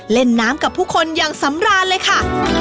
เล่นน้ำกับผู้คนอย่างสำราญเลยค่ะ